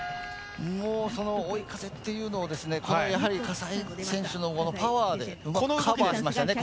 追い風っていうのをやはり葛西選手のパワーでうまくカバーしましたね。